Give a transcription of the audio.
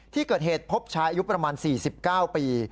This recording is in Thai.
ที่เกิดเหตุพบชายอายุประมาณ๔๙ปี